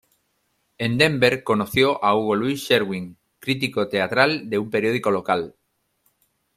En Denver conoció a Hugo Louis Sherwin, crítico teatral de un periódico local.